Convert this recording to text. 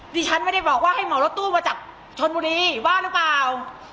ดิฉันไม่ได้บอกว่าให้หมอรถตู้มาจากชนบุรีว่าหรือเปล่า